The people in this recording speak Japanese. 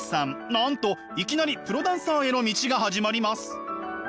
なんといきなりプロダンサーへの道が始まります。